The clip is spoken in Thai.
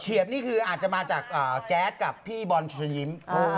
นี่คืออาจจะมาจากแจ๊ดกับพี่บอลเชิญยิ้ม